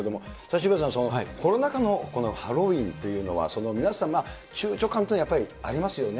渋谷さん、コロナ禍のこのハロウィーンというのは、皆さん、ちゅうちょ感というのはありますよね。